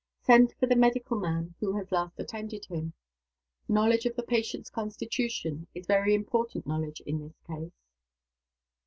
Send for the medical man who has last attended him. Knowledge of the patient's constitution is very important knowledge in this case."